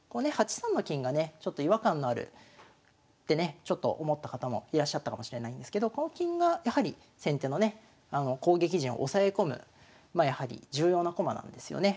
８三の金がねちょっと違和感のあるってねちょっと思った方もいらっしゃったかもしれないんですけどこの金がやはり先手のね攻撃陣を押さえ込むやはり重要な駒なんですよね。